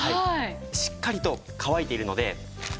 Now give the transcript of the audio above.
しっかりと乾いているので。